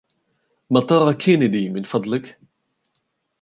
مطار كندي من فضلك.